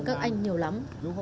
các anh nhiều lắm